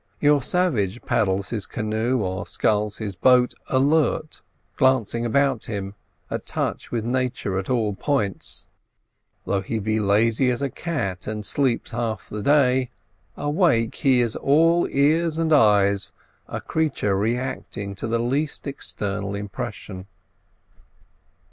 Your savage paddles his canoe, or sculls his boat, alert, glancing about him, at touch with nature at all points; though he be lazy as a cat and sleeps half the day, awake he is all ears and eyes—a creature reacting to the least external impression.